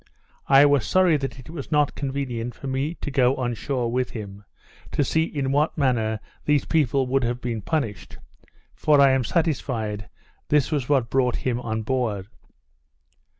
I was sorry that it was not convenient for me to go on shore with him, to see in what manner these people would have been punished; for I am satisfied, this was what brought him on board.